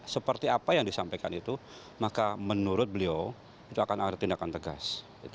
seperti apa yang disampaikan itu maka menurut beliau itu akan ada tindakan tegas